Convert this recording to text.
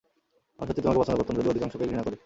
আমি সত্যিই তোমাকে পছন্দ করতাম, যদিও অধিকাংশকেই ঘৃণা করি।